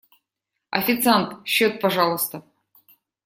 Официант! Счёт, пожалуйста.